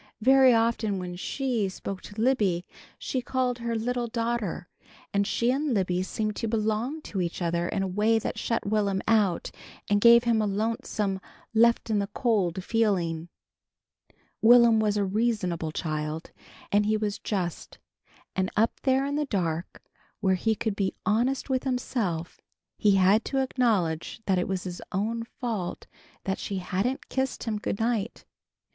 Very often when She spoke to Libby she called her "little daughter" and she and Libby seemed to belong to each other in a way that shut Will'm out and gave him a lonesome left in the cold feeling. Will'm was a reasonable child, and he was just, and up there in the dark where he could be honest with himself, he had to acknowledge that it was his own fault that she hadn't kissed him good night.